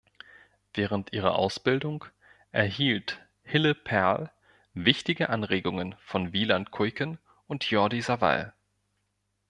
Während ihrer Ausbildung erhielt Hille Perl wichtige Anregungen von Wieland Kuijken und Jordi Savall.